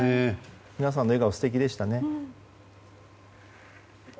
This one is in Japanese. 皆さんの笑顔素敵でしたね。